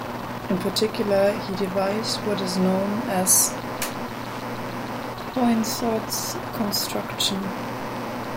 In particular he devised, what is now known as, Poinsot's construction.